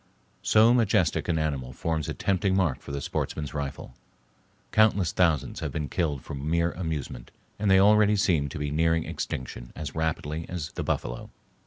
So majestic an animal forms a tempting mark for the sportsman's rifle. Countless thousands have been killed for mere amusement and they already seem to be nearing extinction as rapidly as the buffalo.